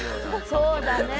そうだね。